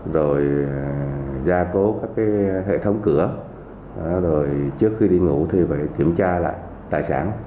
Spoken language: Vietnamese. rồi gia cố các hệ thống cửa rồi trước khi đi ngủ thì phải kiểm tra lại tài sản